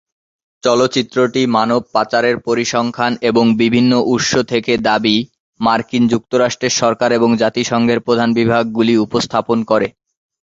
চলচ্চিত্রটি মানব পাচারের পরিসংখ্যান এবং বিভিন্ন উৎস থেকে দাবি, মার্কিন যুক্তরাষ্ট্রের সরকার এবং জাতিসংঘের প্রধান বিভাগগুলি উপস্থাপন করে।